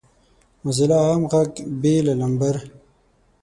موزیلا عام غږ بې له نمبر